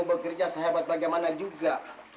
biar kamu bekerja sehebat bagaimana juga